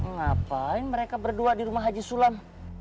ngapain mereka berdua di rumah haji sulam